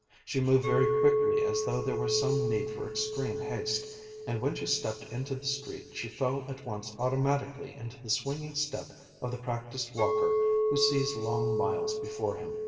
She moved very quickly as though there were some need for extreme haste, and when she stepped into the street she fell at once automatically into the swinging step of the practised walker who sees long miles before him.